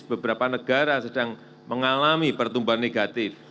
beberapa negara sedang mengalami pertumbuhan negatif